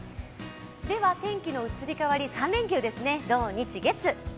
では天気の移り変わり、３連休ですね、土日月。